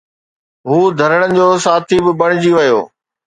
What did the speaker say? هو ڌرڻن جو ساٿي به بڻجي ويو.